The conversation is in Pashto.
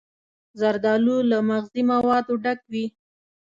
زردالو له مغذي موادو ډک وي.